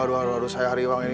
aduh aduh aduh saya hari wang ini